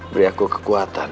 beri aku kekuatan